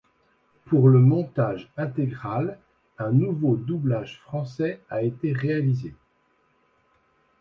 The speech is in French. Pour le montage intégrale, un nouveau doublage français a été réalisé.